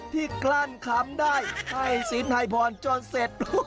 กลั้นคำได้ให้สินให้พรจนเสร็จ